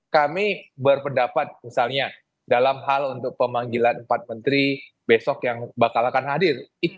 kami berpendapat misalnya dalam hal untuk pemanggilan empat menteri besok yang bakal akan hadir